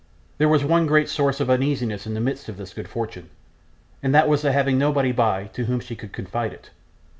There was one great source of uneasiness in the midst of this good fortune, and that was the having nobody by, to whom she could confide it.